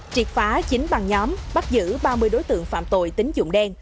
triệt phái chính băng nhóm bắt giữ ba mươi đối tượng phòng tụ tính dụng đen